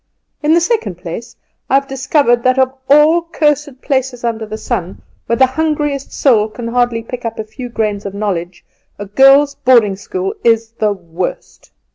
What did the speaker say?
In the second place, I have discovered that of all cursed places under the sun, where the hungriest soul can hardly pick up a few grains of knowledge, a girls' boarding school is the worst.